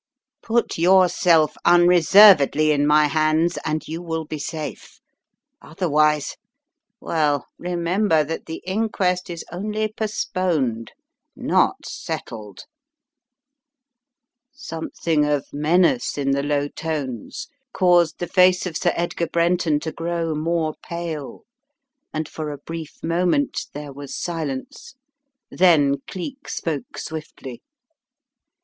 Put yourself unreservedly in my Ijands, and you will be safe, otherwise — well, remember that the inquest is only postponed, not settled. 1 »» 244 The Riddle of the Purple Emperor Something of menace in the low tones caused the face of Sir Edgar Brenton to grow more pale and for a brief moment there was silence. Then Cleek spoke swiftly.